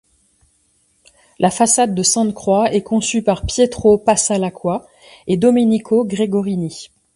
La façade de Sainte-Croix est conçue par Pietro Passalacqua et Domenico Gregorini.